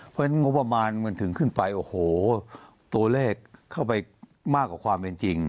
เพราะฉะนั้นงบประมาณมันถึงขึ้นไปโอ้โหตัวเลขเข้าไปมากกว่าความเป็นจริง